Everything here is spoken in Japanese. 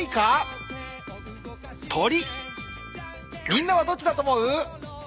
みんなはどっちだと思う？